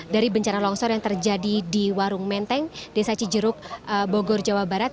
dari bencana longsor yang terjadi di warung menteng desa cijeruk bogor jawa barat